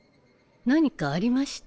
何かありました？